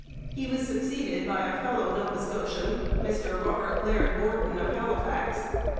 He was succeeded by a fellow Nova Scotian, Mr Robert Laird Borden of Halifax.